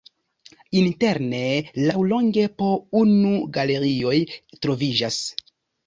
Interne laŭlonge po unu galerioj troviĝas.